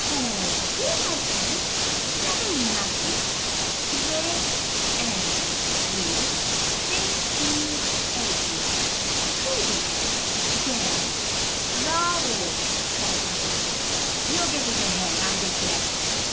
"Poh! yes, I can! That ain't nothin'. Pre ed, Prood, Pre i eddy, Prudy. There!" "Bravo!" cried papa. "You're getting ahead, I declare!